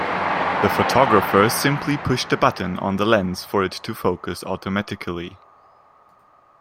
The photographer simply pushed a button on the lens for it to focus automatically.